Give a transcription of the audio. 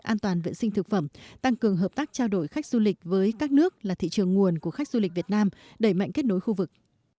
an toàn vệ sinh thực phẩm tăng cường hợp tác trao đổi khách du lịch với các nước là thị trường nguồn của khách du lịch việt nam đẩy mạnh kết nối khu vực